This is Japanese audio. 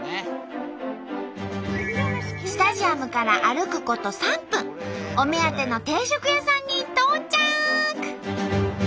スタジアムから歩くこと３分お目当ての定食屋さんに到着！